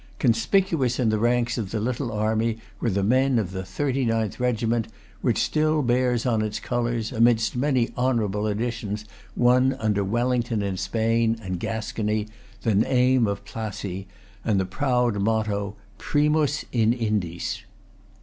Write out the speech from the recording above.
Conspicuous in the ranks of the little army were the men of the Thirty Ninth Regiment, which still bears on its colours, amidst many honourable additions won under Wellington in Spain and Gascony, the name of Plassey, and the proud motto, Primus in Indis.